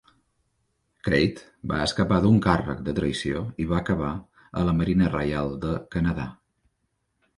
Crate va escapar d'un càrrec de traïció i va acabar a la Marina Reial de Canadà.